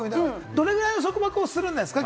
どれぐらいの束縛をするんですか？